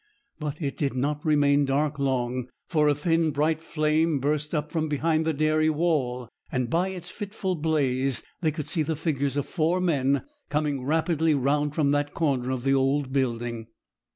But it did not remain dark long; for a thin, bright flame burst up from behind the dairy wall, and by its fitful blaze they could see the figures of four men coming rapidly round from that corner of the old building.